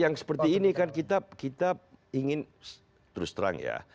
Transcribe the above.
yang seperti ini kan kita ingin terus terang ya